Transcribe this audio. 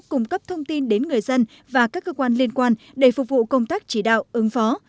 cung cấp thông tin đến người dân và các cơ quan liên quan để phục vụ công tác chỉ đạo ứng phó